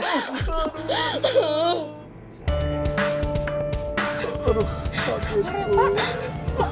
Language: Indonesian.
aduh aduh aduh aduh